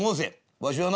わしはな